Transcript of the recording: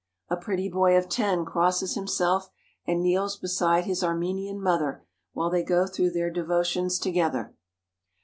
A pretty boy of ten crosses himself and kneels beside his Armenian mother while they go through their devo tions together.